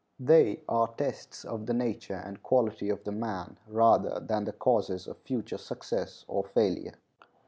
They are tests of the nature and quality of the man rather than the causes of future success or failure.